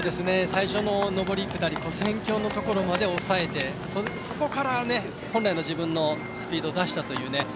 最初の上り、下り跨線橋のところまで抑えてそこから本来の自分のスピードを出したという。